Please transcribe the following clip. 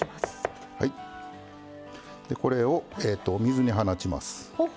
これを水に放ちます。